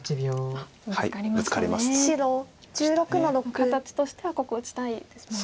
形としてはここ打ちたいですもんね。